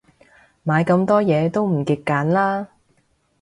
買咁多嘢，都唔極簡啦